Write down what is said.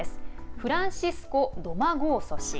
フランシスコ・ドマゴーソ氏。